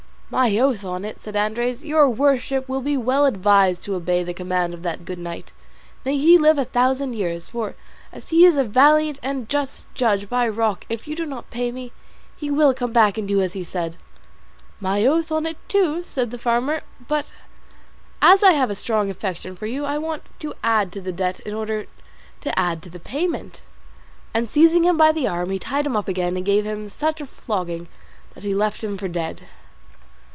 "My oath on it," said Andres, "your worship will be well advised to obey the command of that good knight may he live a thousand years for, as he is a valiant and just judge, by Roque, if you do not pay me, he will come back and do as he said." "My oath on it, too," said the farmer; "but as I have a strong affection for you, I want to add to the debt in order to add to the payment;" and seizing him by the arm, he tied him up again, and gave him such a flogging that he left him for dead.